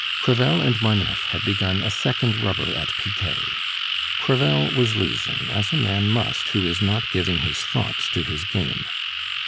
Crevel and Marneffe had begun a second rubber at piquet. Crevel was losing, as a man must who is not giving his thoughts to his game.